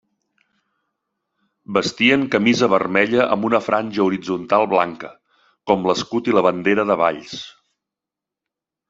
Vestien camisa vermella amb una franja horitzontal blanca, com l'escut i la bandera de Valls.